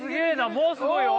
もうすごい！